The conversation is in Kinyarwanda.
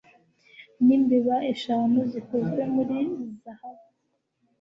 n'imbeba eshanu zikozwe muri zahabu